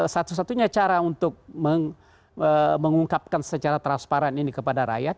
satu satunya cara untuk mengungkapkan secara transparan ini kepada rakyat